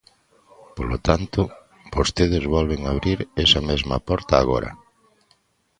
Polo tanto, vostedes volven abrir esa mesma porta agora.